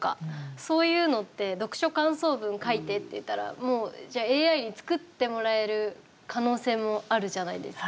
そういうのって「読書感想文書いて」って言ったらもうじゃあＡＩに作ってもらえる可能性もあるじゃないですか。